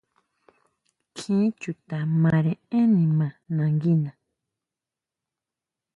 Kjín chuta mare énn nima nanguina.